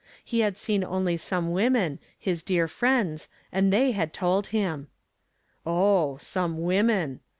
He had see n only some his dear fri. nds, and they hud told him. , 'some won.en'!"